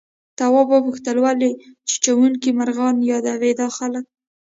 تواب وپوښتل ولې چیچونکي مرغان يادوي دا خلک؟